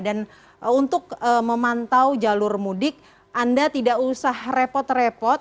dan untuk memantau jalur mudik anda tidak usah repot repot